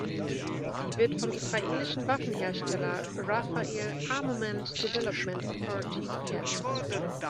Sie wird vom israelischen Waffenhersteller Rafael Armament Development Authority gefertigt.